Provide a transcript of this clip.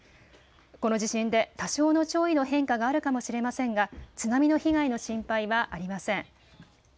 この地震で多少の潮位の変化があるかもしれませんが津波の被害の心配はありません。